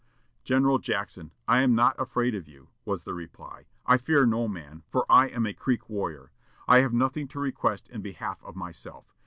"General Jackson, I am not afraid of you," was the reply. "I fear no man, for I am a Creek warrior. I have nothing to request in behalf of myself.